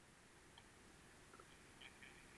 د شکرقندي ریښه د څه لپاره وکاروم؟